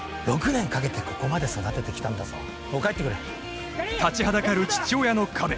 ６年かけてここまで育ててきたんだぞもう帰ってくれ立ちはだかる父親の壁